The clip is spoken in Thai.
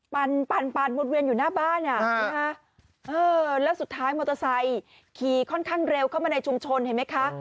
ปั่นวนเวียนอยู่หน้าบ้านแล้วสุดท้ายมอเตอร์ไซค์ขี่ค่อนข้างเร็วเข้ามาในชุมชนเห็นไหมคะ